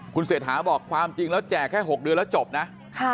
คุณเศรษฐาบอกความจริงแล้วแจกแค่๖เดือนแล้วจบนะ